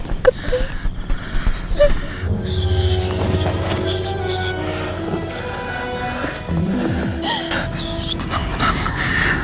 sebaiknya kita berpencar pak